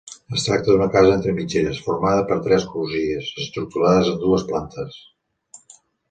Es tracta d'una casa entre mitgeres, formada per tres crugies estructurades en dues plantes.